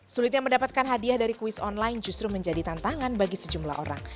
sulitnya mendapatkan hadiah dari kuis online justru menjadi tantangan bagi sejumlah orang